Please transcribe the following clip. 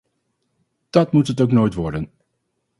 Dat moet het ook nooit worden.